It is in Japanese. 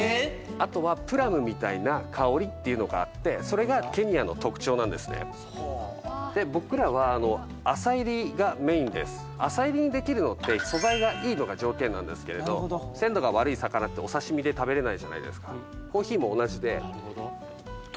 あとはプラムみたいな香りっていうのがあってそれがケニアの特徴なんですね浅煎りにできるのって素材がいいのが条件なんですけれど鮮度が悪い魚ってお刺身で食べれないじゃないですかコーヒーも同じでホント？